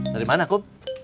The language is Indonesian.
dari mana kum